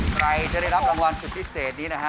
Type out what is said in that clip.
ใครจะได้รับรางวัลสุดพิเศษนี้นะฮะ